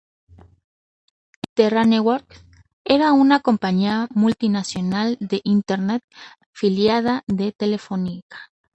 Terra Networks era una compañía multinacional de Internet, filial de Telefónica.